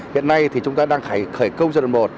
hiện nay thì chúng ta đang phải khởi công giai đoạn một